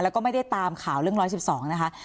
แล้วก็ไม่ได้ตามข่าวเรื่องร้อยสิบสองนะคะ